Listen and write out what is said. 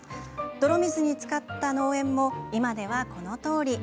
泥水につかった農園も今では、このとおり。